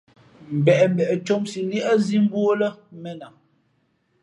Mbeʼmbeʼ ncǒmsī līēʼzī mbú ó lά mēn a.